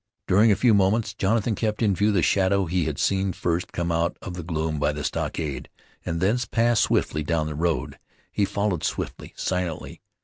During a few moments Jonathan kept in view the shadow he had seen first come out of the gloom by the stockade, and thence pass swiftly down the road. He followed swiftly, silently.